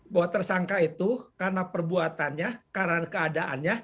bahwa tersangka itu karena perbuatannya karena keadaannya